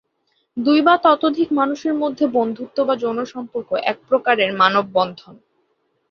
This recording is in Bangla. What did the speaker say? দুই বা ততোধিক মানুষের মধ্যে বন্ধুত্ব বা যৌন সম্পর্ক এক প্রকারের মানব-বন্ধন।